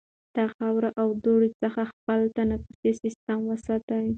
د خاورو او دوړو څخه خپل تنفسي سیستم وساتئ.